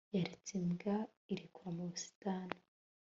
yaretse imbwa irekura mu busitani